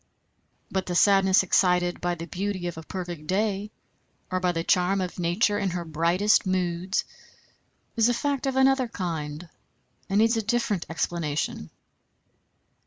But the sadness excited by the beauty of a perfect day, or by the charm of nature in her brightest moods, is a fact of another kind, and needs a different explanation.